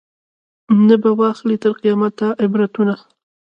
نه به واخلي تر قیامته عبرتونه